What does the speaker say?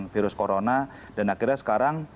virus corona dan akhirnya sekarang